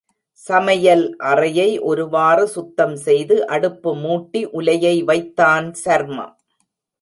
சமையல் அறையை ஒருவாறு சுத்தம் செய்து, அடுப்புமூட்டி உலையை வைத்தான் சர்மா.